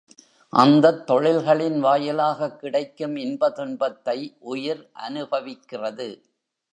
அந்தத் தொழில்களின் வாயிலாகக் கிடைக்கும் இன்ப துன்பத்தை உயிர் அநுபவிக்கிறது.